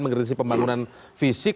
mengerti pembangunan fisik